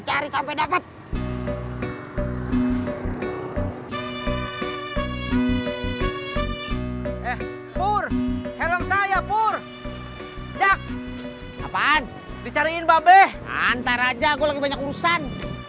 cari sampai dapat eh pur helo saya pur jak apaan dicariin pabe antar aja gue banyak urusan